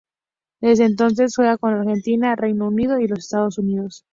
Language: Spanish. Desde entonces, juega en Argentina, Reino Unido y los Estados Unidos.